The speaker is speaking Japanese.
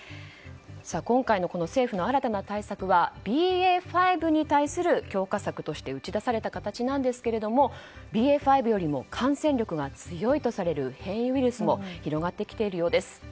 今回の政府の新たな対策はＢＡ．５に対する強化策として打ち出された形ですがＢＡ．５よりも感染力が強いとされる変異ウイルスも広がってきているようです。